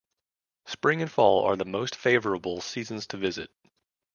Spring and fall are the most favorable seasons to visit.